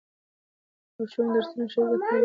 ماشوم درسونه ښه زده کولای نشي.